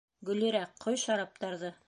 Гөллирә, ҡой шараптарҙы!..